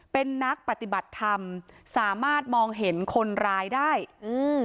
เป็นนักปฏิบัติธรรมสามารถมองเห็นคนร้ายได้อืม